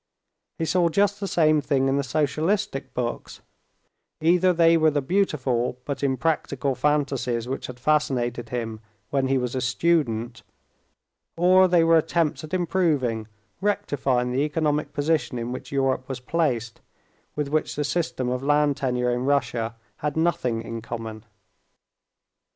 He saw just the same thing in the socialistic books: either they were the beautiful but impracticable fantasies which had fascinated him when he was a student, or they were attempts at improving, rectifying the economic position in which Europe was placed, with which the system of land tenure in Russia had nothing in common.